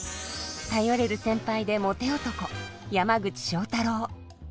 頼れる先輩でモテ男山口正太郎。